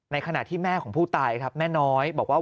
ขณะที่แม่ของผู้ตายครับแม่น้อยบอกว่า